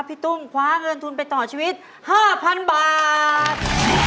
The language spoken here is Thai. ตุ้มคว้าเงินทุนไปต่อชีวิต๕๐๐๐บาท